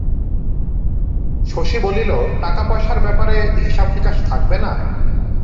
শশী বলিল, টাকাপয়সার ব্যাপার হিসাবনিকাশ থাকবে না?